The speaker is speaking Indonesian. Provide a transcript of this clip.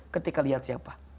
ketika lihat siapa